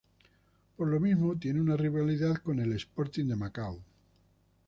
Por lo mismo, tiene una rivalidad con el Sporting de Macau.